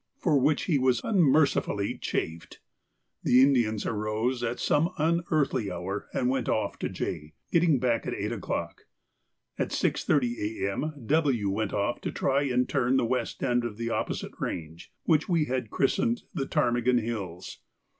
for which he was unmercifully chaffed. The Indians arose at some unearthly hour and went off to J, getting back at eight o'clock. At 6.30 A.M. W. went off to try and turn the west end of the opposite range, which we had christened the Ptarmigan Hills.